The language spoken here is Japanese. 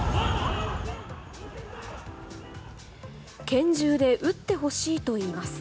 拳銃で撃ってほしいといいます。